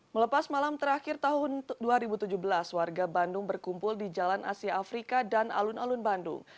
melepas malam terakhir tahun dua ribu tujuh belas warga bandung berkumpul di jalan asia afrika dan alun alun bandung